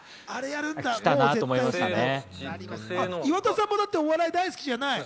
岩田さんもお笑い大好きじゃない。